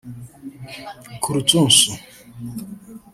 ku Rucunshu